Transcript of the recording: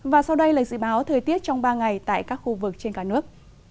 và sau đây là dự báo thời tiết trong ba ngày tại các khu vực trên cả nước